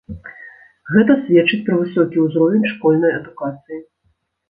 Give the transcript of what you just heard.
Гэта сведчыць пра высокі ўзровень школьнай адукацыі.